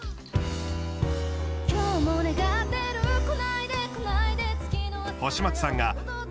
「今日も願ってるこないでこないで次の朝よ」